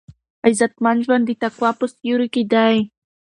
عزتمن ژوند د تقوا په سیوري کې دی.